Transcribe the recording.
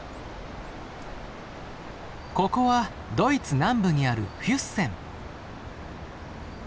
ここはドイツ南部にあるフュッセン。